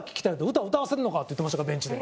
歌、歌わせるのか！って言ってましたから、ベンチで。